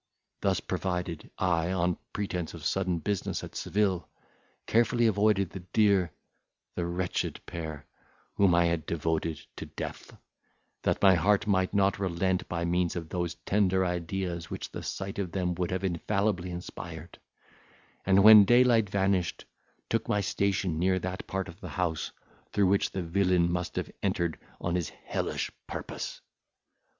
Thus provided, I, on pretence of sudden business at Seville, carefully avoided the dear, the wretched pair, whom I had devoted to death, that my heart might not relent, by means of those tender ideas which the sight of them would have infallibly inspired; and, when daylight vanished, took my station near that part of the house through which the villain must have entered on his hellish purpose.